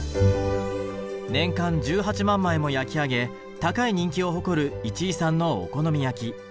年間１８万枚も焼き上げ高い人気を誇る市居さんのお好み焼き。